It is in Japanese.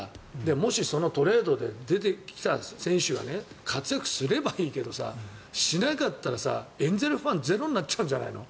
もし、そのトレードで出てきた選手が活躍すればいいけどさしなかったらエンゼルスファンゼロになっちゃうんじゃないの。